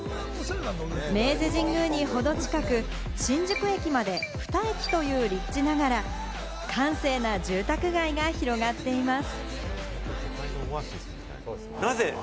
明治神宮にほど近く、新宿駅まで２駅という立地ながら、閑静な住宅街が広がっています。